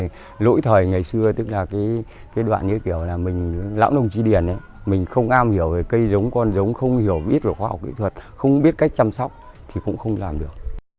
những thời ngày xưa tức là cái đoạn như kiểu là mình lãng đồng trí điển mình không am hiểu cây giống con giống không hiểu biết về khoa học kỹ thuật không biết cách chăm sóc thì cũng không làm được